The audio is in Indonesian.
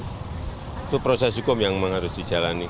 itu proses hukum yang harus dijalani